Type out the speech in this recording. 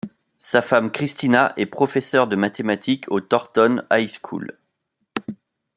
Sa femme Christina est professeur de mathématiques au Thorton High school.